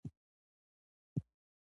کرکټ اوس نړۍواله لوبه ده.